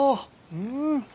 うん。